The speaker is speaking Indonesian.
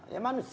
ya manusia biasa